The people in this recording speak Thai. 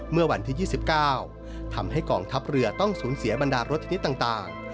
เมื่อวันที่๒๙ทำให้กองทัพเรือต้องสูญเสียบรรดารถชนิดต่าง